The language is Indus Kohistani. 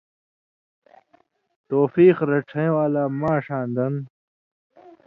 توفیق رڇھَیں والا ماݜاں دَن